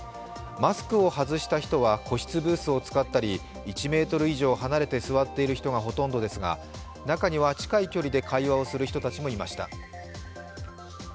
マスクを外した人は個室ブースを使ったり、１ｍ以上離れて座っている人がほとんどですが、中には、近い距離で会話をする人たちもいました。